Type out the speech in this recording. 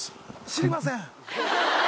知りません。